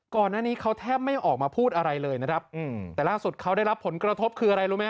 ก่อนหน้านี้เขาแทบไม่ออกมาพูดอะไรเลยนะครับแต่ล่าสุดเขาได้รับผลกระทบคืออะไรรู้ไหม